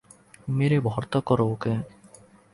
মেরে ভর্তা করো ওকে।